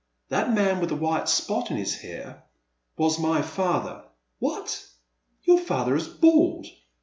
That man with a white spot in his hair was my father —• What ! Your father is bald.